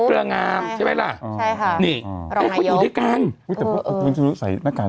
เกลงามใช่ไหมล่ะอ๋อใช่ค่ะนี่อ๋อนายยกใส่หน้ากาน